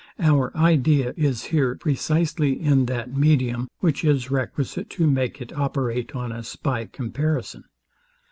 Our idea is here precisely in that medium, which is requisite to make it operate on us by comparison.